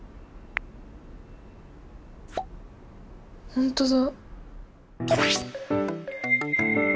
本当だ。